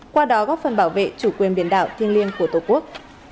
qua đó góp phần bảo vệ chủ quyền biển đảo thiêng liêng của tổ quốc